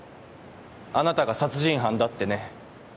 あなたが殺人犯だってね。